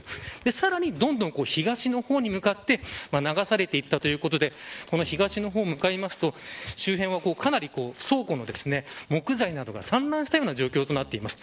さらに、どんどん東の方に向かって流されていったということで東の方に向いますと周辺は、かなり倉庫の木材などが散乱したような状況となっています。